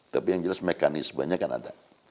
tapi yang jelas mekanisme nya kan ada